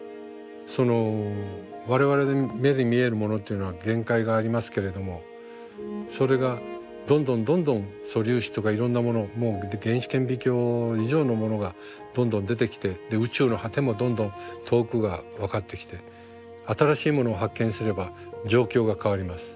その我々に目に見えるものっていうのは限界がありますけれどもそれがどんどんどんどん素粒子とかいろんなものをもう原子顕微鏡以上のものがどんどん出てきて宇宙の果てもどんどん遠くが分かってきて新しいものを発見すれば状況が変わります。